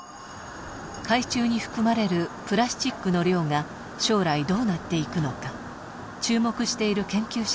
海中に含まれるプラスチックの量が将来どうなっていくのか注目している研究者がいます。